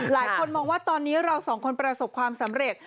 หลายคนมองว่าตอนนี้เราสองคนประสบความสำเร็จ